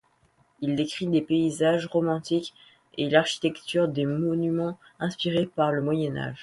Il décrit des paysages romantiques et l'architecture de monuments inspirés par le Moyen Âge.